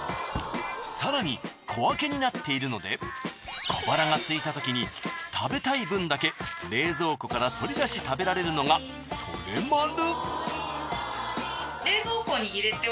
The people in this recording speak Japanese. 更に小分けになっているので小腹がすいたときに食べたい分だけ冷蔵庫から取り出して食べられるのがソレマル！